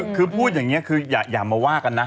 คือพูดอย่างนี้คืออย่ามาว่ากันนะ